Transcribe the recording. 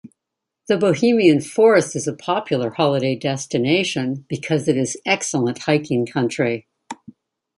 The Bohemian Forest is a popular holiday destination because it is excellent hiking country.